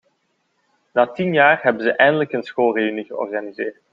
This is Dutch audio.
Na tien jaar hebben ze eindelijk een schoolreünie georganiseerd.